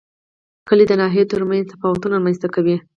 کلي د ناحیو ترمنځ تفاوتونه رامنځ ته کوي.